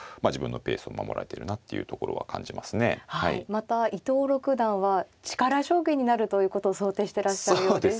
また伊藤六段は力将棋になるということを想定してらっしゃるようでした。